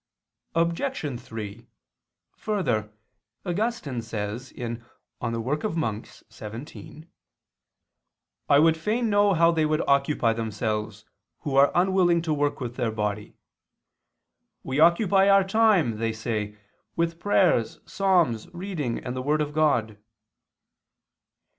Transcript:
Obj. 3: Further, Augustine says (De oper. Monach. xvii): "I would fain know how they would occupy themselves, who are unwilling to work with their body. We occupy our time, say they, with prayers, psalms, reading, and the word of God."